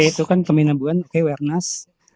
oke itu kan keminabuan oke wernas